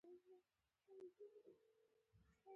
په ورځ کې څو سګرټه څکوئ؟